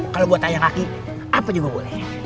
kalau buat ayang kaki apa juga boleh